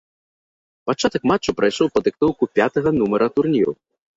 Пачатак матчу прайшоў пад дыктоўку пятага нумара турніру.